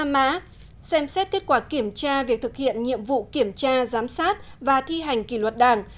bốn mươi năm má xem xét kết quả kiểm tra việc thực hiện nhiệm vụ kiểm tra giám sát và thi hành kỷ luật đảng